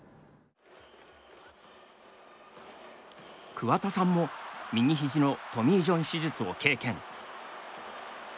桑田さんも右ひじのトミー・ジョン手術を経験。